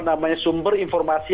namanya sumber informasi